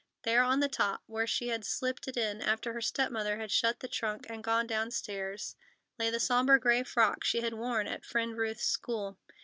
There on the top, where she had slipped it in after her step mother had shut the trunk and gone downstairs, lay the sombre gray frock she had worn at Friend Ruth's school.